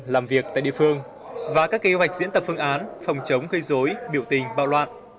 làm việc tại địa phương và các kế hoạch diễn tập phương án phòng chống gây dối biểu tình bạo loạn